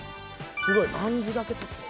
すごいあんずだけ取ってる。